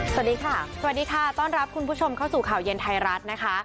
สวัสดีค่ะสวัสดีค่ะต้อนรับคุณผู้ชมเข้าสู่ข่าวเย็นไทยรัฐนะคะ